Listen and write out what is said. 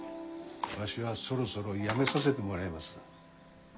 わしはそろそろ辞めさせてもらいます。